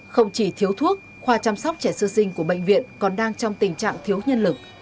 không chỉ thiếu thuốc khoa chăm sóc trẻ sơ sinh của bệnh viện còn đang trong tình trạng thiếu nhân lực